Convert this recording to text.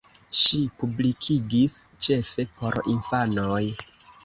Ŝi publikigis ĉefe por infanoj.